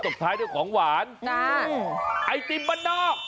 บท้ายด้วยของหวานไอติมบ้านนอก